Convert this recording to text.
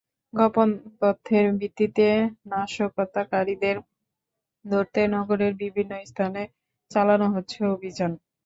গোপন তথ্যের ভিত্তিতে নাশকতাকারীদের ধরতে নগরের বিভিন্ন স্থানে চালানো হচ্ছে অভিযান।